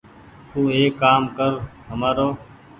تو ايڪ ڪآم ڪر همآرو ۔